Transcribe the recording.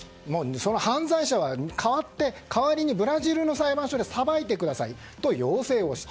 犯罪者を代わりにブラジルの裁判所で裁いてくださいと要請をした。